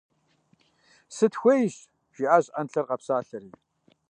– Сытхуейщ! – жиӀащ Ӏэнлъэр къэпсалъэри.